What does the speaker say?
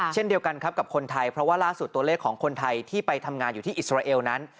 เช่นเดียวกันครับกับคนไทยเพราะว่าล่าสุดตัวเลขของคนไทยที่ไปทำงานอยู่ที่อิสราเอลนั้น